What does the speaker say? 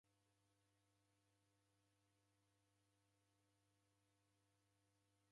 Wadaghania kubonya malagho, ndene mabonyo